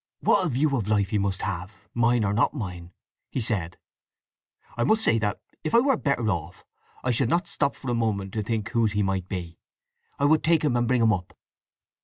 "What a view of life he must have, mine or not mine!" he said. "I must say that, if I were better off, I should not stop for a moment to think whose he might be. I would take him and bring him up.